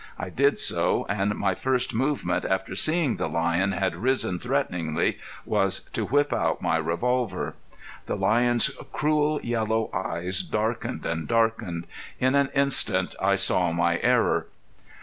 I did so and my first movement after seeing the lion had risen threateningly was to whip out my revolver. The lion's cruel yellow eyes darkened and darkened. In an instant I saw my error.